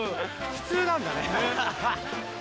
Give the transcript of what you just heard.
普通なんだね。